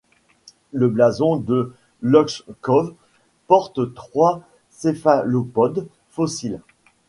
Le blason de Lochkov porte trois céphalopodes fossiles.